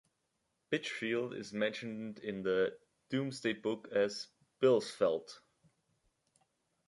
Bitchfield is mentioned in the "Domesday Book" as "Billesfelt".